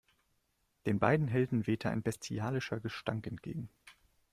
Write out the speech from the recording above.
Den beiden Helden wehte ein bestialischer Gestank entgegen.